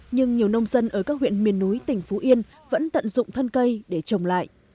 nhưng nhiều nông dân ở các huyện miền núi tỉnh phú yên vẫn tận dụng thân cây để trồng lại